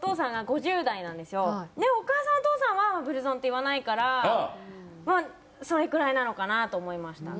お母さんお父さんはブルゾンって言わないからそれくらいなのかなと思いました。